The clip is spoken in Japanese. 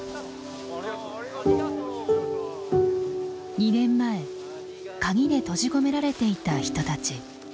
２年前鍵で閉じ込められていた人たち。